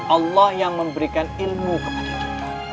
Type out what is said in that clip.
allah yang memberikan ilmu kepada kita